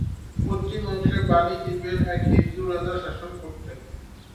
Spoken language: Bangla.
পশ্চিম অংশে বালি দ্বীপের এক হিন্দু রাজা শাসন করতেন।